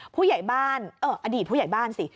ผู้ใหญ่บ้านอดีตผู้ใหญ่บ้านสิ